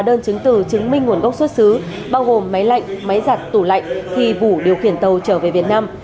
đơn chứng từ chứng minh nguồn gốc xuất xứ bao gồm máy lạnh máy giặt tủ lạnh thì vũ điều khiển tàu trở về việt nam